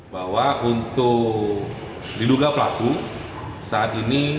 bahwa untuk diduga pelaku saat ini